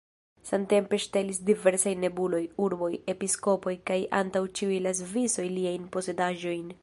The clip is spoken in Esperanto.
Samtempe ŝtelis diversaj nobeloj, urboj, episkopoj kaj antaŭ ĉiuj la Svisoj liajn posedaĵojn.